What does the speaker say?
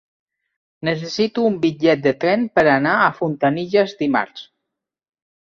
Necessito un bitllet de tren per anar a Fontanilles dimarts.